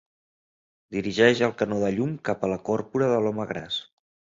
Dirigeix el canó de llum cap a la còrpora de l'home gras.